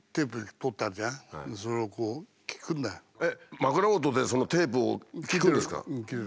枕元でそのテープを聴くんですか？